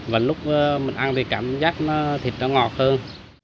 và lúc mình ăn thì cảm giác thịt nó ngọt hơn